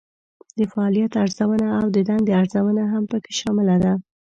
د فعالیت ارزونه او د دندې ارزونه هم پکې شامله ده.